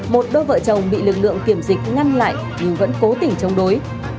một đôi vợ chồng bị lực lượng kiểm dịch ngăn lại nhưng vẫn cố tình chống đối